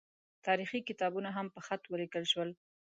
تاریخي کتابونه هم په خط ولیکل شول.